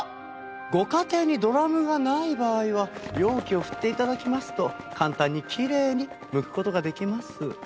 ご家庭にドラムがない場合は容器を振って頂きますと簡単にきれいにむく事ができます。